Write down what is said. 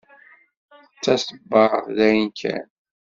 D taṣebbart d ayen kan.